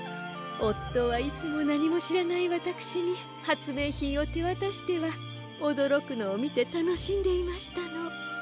おっとはいつもなにもしらないわたくしにはつめいひんをてわたしてはおどろくのをみてたのしんでいましたの。